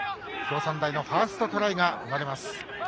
京産大のファーストトライが生まれます。